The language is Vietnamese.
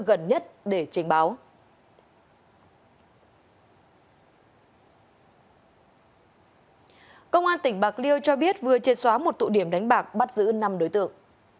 cơ quan cảnh sát điều tra công an tỉnh bạc liêu cho biết vừa chê xóa một tụ điểm đánh bạc bắt giữ năm đối tượng